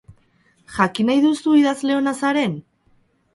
Jakin nahi duzu idazle ona zaren?